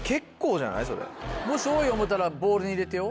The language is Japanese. もし多い思ったらボウルに入れてよ。